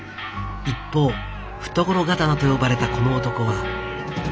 一方懐刀と呼ばれたこの男は。